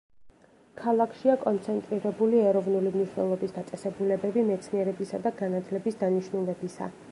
ქალაქშია კონცენტრირებული ეროვნული მნიშვნელობის დაწესებულებები მეცნიერებისა და განათლების დანიშნულებისა.